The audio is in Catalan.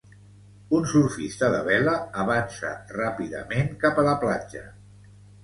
Un surfista de vela avança ràpidament cap a la platja.